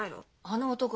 あの男？